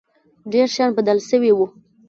ډېر شيان بدل سوي وو.